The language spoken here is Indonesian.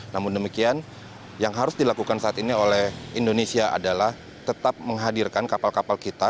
namun demikian yang harus dilakukan saat ini oleh indonesia adalah tetap menghadirkan kapal kapal kita